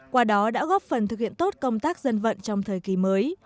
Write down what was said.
qua đó đã góp phần thực hiện tốt công tác dân vận trong thời kỳ mới